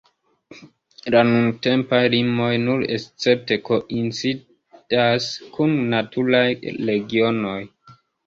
La nuntempaj limoj nur escepte koincidas kun naturaj regionoj.